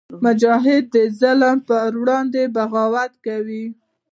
مجاهد د ظلم پر وړاندې بغاوت کوي.